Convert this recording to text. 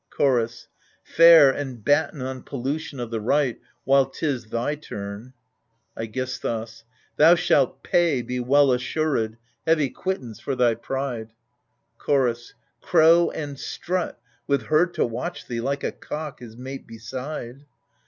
Chorus Fare and batten on pollution of the right, while 'tis thy turn. iEGISTHUS Thou shalt pay, be well assured, heavy quittance for thy pride. Chorus Crow and strut, with her to watch thee, like a cock, his mate beside